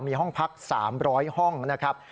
มีห้องพัก๓๐๐ห้องนะครับ